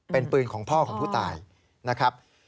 เป็นปืนของพ่อของผู้ตายนะครับ